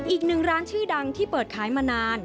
อีกหนึ่งร้านชื่อดังที่เปิดขายมานาน